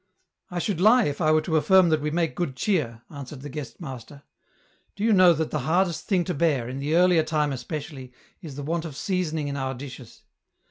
" I should lie if I were to affirm that we make good cheer," answered the guest master. " Do you know that the hardest thing to bear, in the earlier time especially, is the want of seasoning in our dishes.